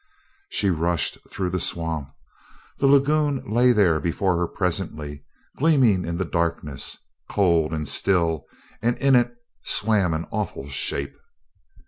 She rushed through the swamp. The lagoon lay there before her presently, gleaming in the darkness cold and still, and in it swam an awful shape.